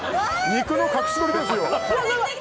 肉の隠し撮りですよ。